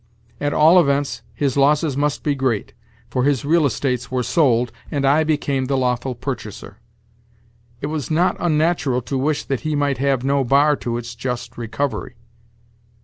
At all events, his losses must be great, for his real estates were sold, and I became the lawful purchaser. It was not unnatural to wish that he might have no bar to its just recovery."